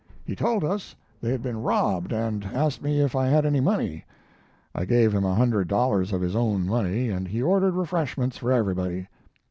He told us they had been robbed, and asked me if I had any money. I gave him a hundred dollars of his own money, and he ordered refreshments for everybody.